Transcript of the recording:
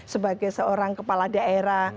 sebagai seorang kepala daerah